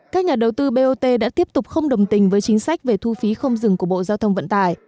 các nhà đầu tư bot đã tiếp tục không đồng tình với chính sách về thu phí không dừng của bộ giao thông vận tải